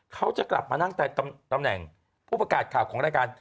เขาจะกลับมานั่งแต่ตำแหน่งผู้ประกาศข่าวของรายการ